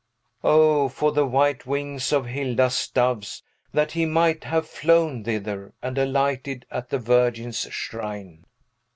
O for the white wings of Hilda's doves, that he might, have flown thither, and alighted at the Virgin's shrine!